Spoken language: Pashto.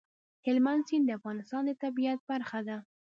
هلمند سیند د افغانستان د طبیعت برخه ده.